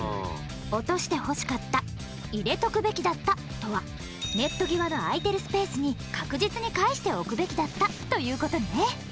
落としてほしかった入れとくべきだったとはネット際の空いてるスペースに確実に返しておくべきだったということね。